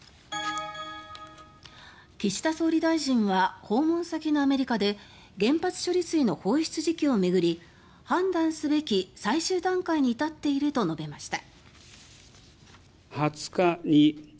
岸田総理大臣は訪問先のアメリカで原発処理水の放出時期を巡り判断すべき最終段階に至っていると述べました。